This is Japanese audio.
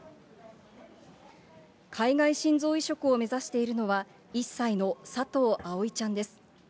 海外心臓移植を目指しているのは、１歳の佐藤葵ちゃんです。